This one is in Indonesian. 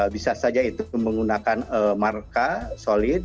bisa saja itu menggunakan marka solid